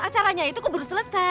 acaranya itu keburu selesai